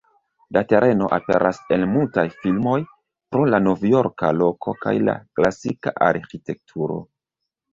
La tereno aperas en multaj filmoj, pro la novjorka loko kaj la klasika arĥitekturo.